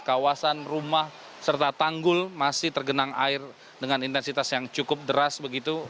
kawasan rumah serta tanggul masih tergenang air dengan intensitas yang cukup deras begitu